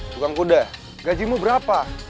tukang kuda gajimu berapa